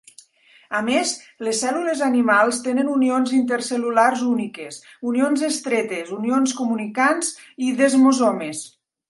A més, les cèl·lules animals tenen unions intercel·lulars úniques: unions estretes, unions comunicants i desmosomes.